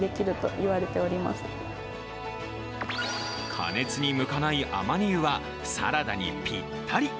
加熱に向かない亜麻仁油はサラダにぴったり。